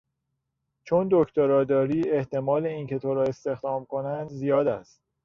چون دکترا داری احتمال اینکه تو را استخدام کنند زیاد است.